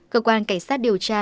cơ quan cảnh sát điều tra